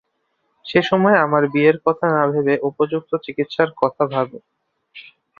সে সময়ে আমার বিয়ের কথা না ভেবে উপযুক্ত চিকিৎসার কথা ভেবো।